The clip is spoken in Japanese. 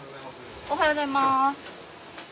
おはようございます。